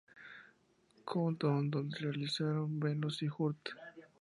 Countdown, donde realizaron "Venus" y "Hurt".